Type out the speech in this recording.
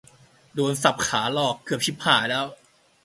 โดน สับขาหลอก เกือบชิบหายแล้ว